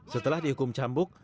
setelah dihukum cambuk